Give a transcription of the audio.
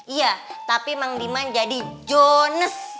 iya tapi mang diman jadi jones